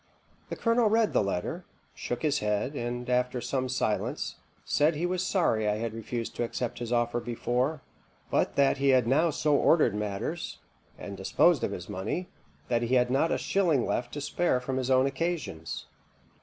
The colonel read the letter, shook his head, and, after some silence, said he was sorry I had refused to accept his offer before; but that he had now so ordered matters, and disposed of his money, that he had not a shilling left to spare from his own occasions.